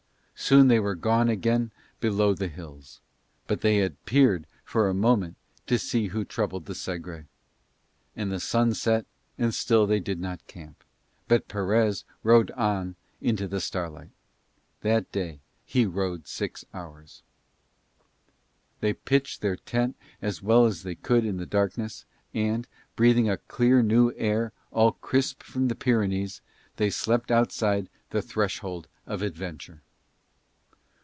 Soon they were gone again below the hills: they had but peered for a moment to see who troubled the Segre. And the sun set and still they did not camp, but Perez rowed on into the starlight. That day he rowed six hours. They pitched their tent as well as they could in the darkness; and, breathing a clear new air all crisp from the Pyrenees, they slept outside the threshold of adventure.